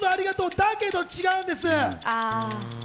だけど違うんです。